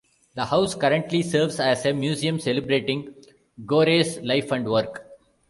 The house currently serves as a museum celebrating Gorey's life and work.